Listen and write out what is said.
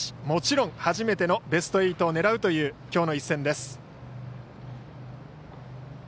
もちろん初めてのベスト８を狙うというきょうの一戦です。